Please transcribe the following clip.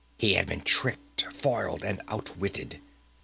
He had been tricked, foiled, and out witted!